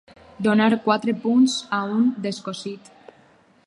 Donar quatre punts a un descosit.